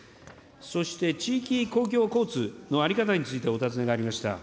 そして地域公共交通の在り方についてお尋ねがありました。